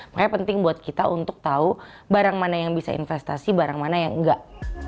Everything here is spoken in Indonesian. makanya penting buat kita untuk tahu barang mana yang bisa investasi barang mana yang enggak